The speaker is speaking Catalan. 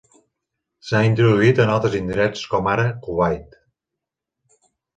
S'ha introduït en altres indrets com ara Kuwait.